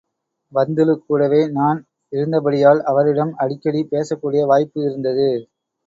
பந்துலு கூடவே நான் இருந்தபடியால் அவரிடம் அடிக்கடி பேசக்கூடிய வாய்ப்பு இருந்தது.